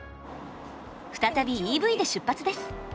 再びＥＶで出発です。